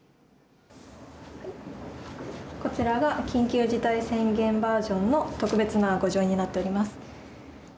こちらが緊急事態宣言バージョンの特別な御城印になっております。